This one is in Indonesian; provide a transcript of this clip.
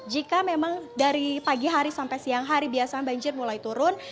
jika memang dari pagi hari sampai siang hari biasanya banjir mulai turun